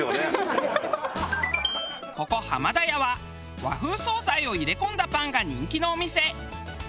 ここ濱田屋は和風総菜を入れ込んだパンが人気のお店。